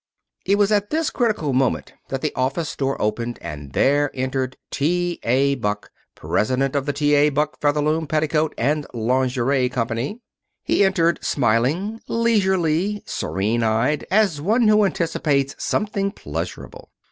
It was at this critical moment that the office door opened, and there entered T. A. Buck, president of the T. A. Buck Featherloom Petticoat and Lingerie Company. He entered smiling, leisurely, serene eyed, as one who anticipates something pleasurable.